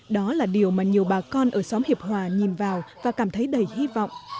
đó là điều mà nhiều bà con ở xóm hiệp hòa nhìn vào và cảm thấy đầy hy vọng